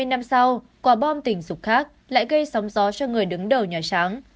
hai mươi năm sau quả bom tình dục khác lại gây sóng gió cho người đứng đầu nhà trắng